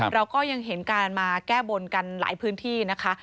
เราก็ยังเห็นการมาแก้บนกันหลายพื้นที่นะคะ